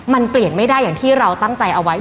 มันเปลี่ยนไม่ได้อย่างที่เราตั้งใจเอาไว้